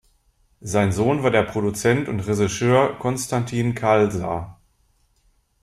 Sein Sohn war der Produzent und Regisseur Konstantin Kalser.